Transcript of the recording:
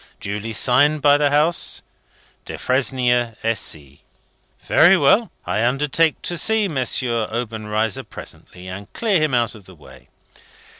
Duly signed by the House, 'Defresnier et Cie.' Very well. I undertake to see M. Obenreizer presently, and clear him out of the way.